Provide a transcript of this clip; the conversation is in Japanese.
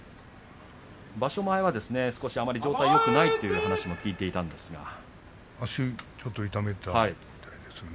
場所前は少し、あまり状態がよくないという話も足を痛めたみたいですよね。